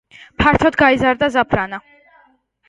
ფართოდ გაიზარდა ზაფრანა.